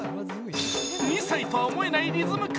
２歳とは思えないリズム感。